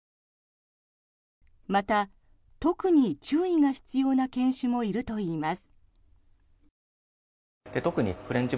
また、特に注意が必要な犬種もいるといいます。